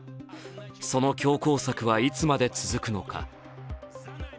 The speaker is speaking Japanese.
その強攻策はいつまで続くのか。